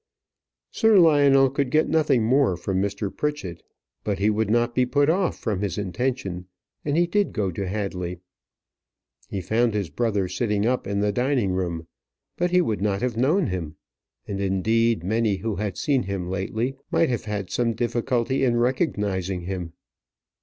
Sir Lionel could get nothing more from Mr. Pritchett; but he would not be put off from his intention, and he did go to Hadley. He found his brother sitting up in the dining room, but he would not have known him. And, indeed, many who had seen him lately might have had some difficulty in recognizing him.